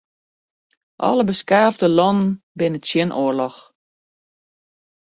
Alle beskaafde lannen binne tsjin oarloch.